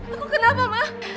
aku kenapa ma